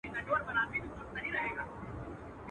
o چي حاجي حاجي لري، اخر به حاجي سې.